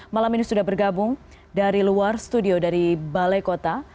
malam ini sudah bergabung dari luar studio dari balai kota